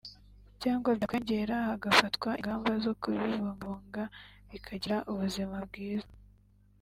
cyangwa byakwiyongera hagafatwa ingamba zo kubibungabunga bikagira ubuzima bwiza